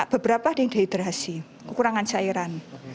beberapa ada yang dehidrasi kekurangan cairan